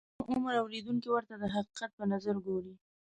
کم عمره اورېدونکي ورته د حقیقت په نظر ګوري.